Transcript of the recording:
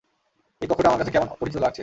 এই কক্ষটা আমার কাছে কেমন পরিচিত লাগছে!